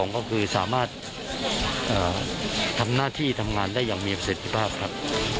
๒ก็คือสามารถทำหน้าที่ทำงานได้อย่างมีประสิทธิภาพครับ